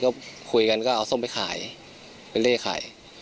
ก็คุยกันก็เอาส้มไปขายไปเล่ขาย